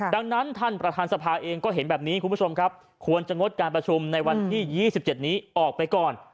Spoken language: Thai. ดังนั้นท่านประธานสภาเองก็เห็นแบบนี้คุณผู้ชมครับควรจะงดการประชุมในวันที่๒๗นี้ออกไปก่อน